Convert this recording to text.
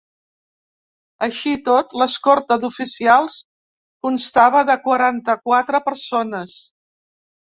Així i tot, l'escorta d'oficials constava de quaranta-quatre persones.